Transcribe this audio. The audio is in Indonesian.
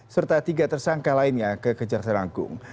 serta tiga tersangka lainnya ke kejar terangkung